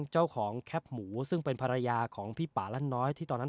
เจ้าของแคปหมูซึ่งเป็นภรรยาของพี่ป่าลั่นน้อยที่ตอนนั้น